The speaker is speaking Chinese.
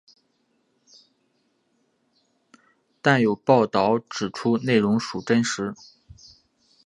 但有报导指出内容属真实。